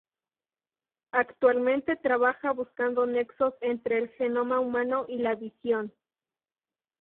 Actualmente trabaja buscando nexos entre el genoma humano y la visión.